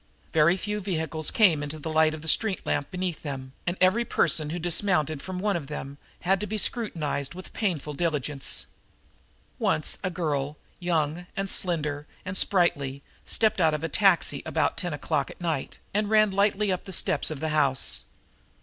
Very few vehicles came into the light of the street lamp beneath them, and every person who dismounted from one of them had to be scrutinized with painful diligence. Once a girl, young and slender and sprightly, stepped out of a taxi, about ten o'clock at night, and ran lightly up the steps of the house.